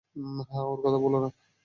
হ্যাঁ, ওর কথা ভুল না।